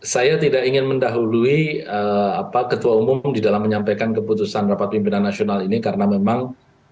saya tidak ingin mendahului ketua umum di dalam menyampaikan keputusan rapat pimpinan nasional ini karena memang